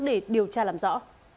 để điều tra làm rõ